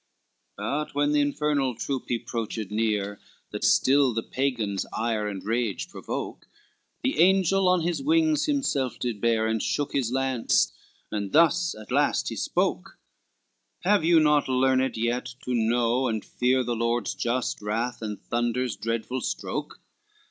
LXIII But when the infernal troop he 'proached near, That still the Pagans' ire and rage provoke, The angel on his wings himself did bear, And shook his lance, and thus at last he spoke: "Have you not learned yet to know and fear The Lord's just wrath, and thunder's dreadful stroke?